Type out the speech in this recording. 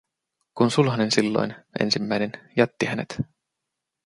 Kun sulhanen silloin, ensimmäinen, jätti hänet.